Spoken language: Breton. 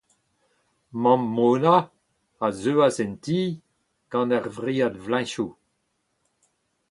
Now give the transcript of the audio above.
Mamm Mona a zeuas en ti gant ur vriad vleñchoù.